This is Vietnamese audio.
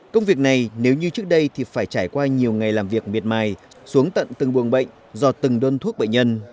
công việc này nếu như trước đây thì phải trải qua nhiều ngày làm việc miệt mài xuống tận từng buồng bệnh do từng đơn thuốc bệnh nhân